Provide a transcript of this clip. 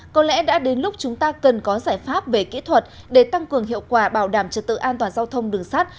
có giải pháp về kỹ thuật để tăng cường hiệu quả bảo đảm trật tự an toàn giao thông đường sát